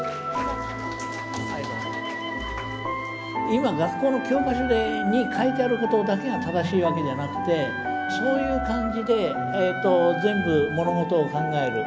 今学校の教科書に書いてあることだけが正しいわけじゃなくてそういう感じで全部物事を考える。